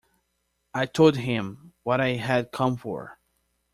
I told him what I had come for.